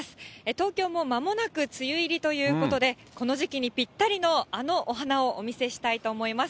東京もまもなく梅雨入りということで、この時期にぴったりのあのお花をお見せしたいと思います。